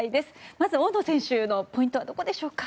まず、大野選手のポイントはどこでしょうか？